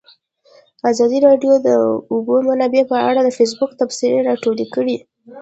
ازادي راډیو د د اوبو منابع په اړه د فیسبوک تبصرې راټولې کړي.